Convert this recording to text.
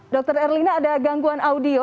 dr erlina ada gangguan audio